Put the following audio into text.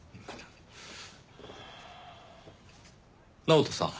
直人さん